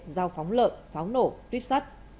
dao phóng lợn phóng nổ tuyếp sắt